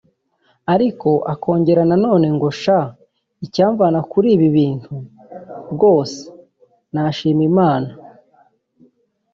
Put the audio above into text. Ariko akongera nanone ngo ‘sha icyamvana kuri ibi bitundi rwose nashima Imana’